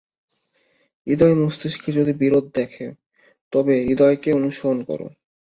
হৃদয় মস্তিষ্কের যদি বিরোধ দেখ, তবে হৃদয়কেই অনুসরণ কর।